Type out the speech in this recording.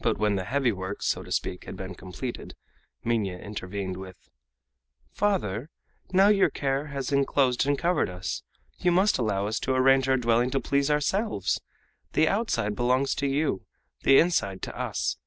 But when the heavy work, so to speak, had been completed, Minha intervened with: "Father, now your care has inclosed and covered us, you must allow us to arrange our dwelling to please ourselves. The outside belongs to you, the inside to us.